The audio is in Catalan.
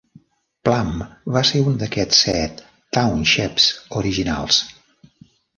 Plum va ser un d'aquests set townships originals.